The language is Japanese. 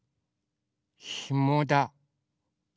ひもだ。